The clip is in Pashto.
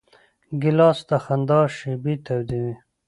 ګیلاس د خندا شېبې تودوي.